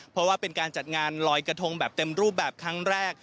เพราะว่าเป็นการจัดงานลอยกระทงแบบเต็มรูปแบบครั้งแรก